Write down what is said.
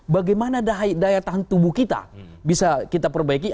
bagaimana daya tahan tubuh kita bisa kita perbaiki